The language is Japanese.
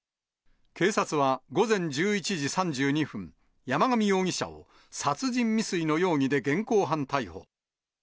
警察は午前１１時３２分、山上容疑者を殺人未遂の容疑で現行犯逮捕。